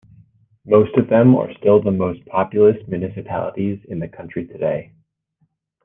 Most of them are still the most populous municipalities in the country today.